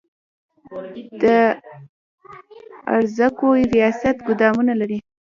د ارزاقو ریاست ګدامونه لري؟